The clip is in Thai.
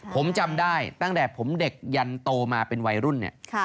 ผมจำได้ตั้งแต่ผมเด็กยันโตมาเป็นวัยรุ่นเนี่ย